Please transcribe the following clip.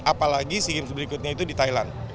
apalagi sea games berikutnya itu di thailand